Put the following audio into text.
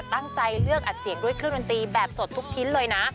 ตั้งใจเลือกอัดเสียงด้วยเครื่องดนตรีแบบสดทุกชิ้นเลยนะ